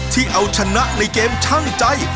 ที่เอาชนะในเกมช่างใจ